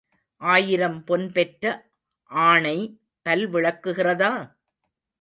ஆயிரம் பொன் பெற்ற ஆணை பல் விளக்குகிறதா?